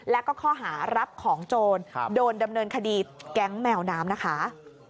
แล้วก็ข้อหารับของโจรโดนดำเนินคดีแก๊งแมวน้ำนะคะ